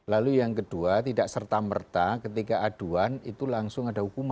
lalu yang kedua tidak serta merta ketika aduan itu langsung ada hukuman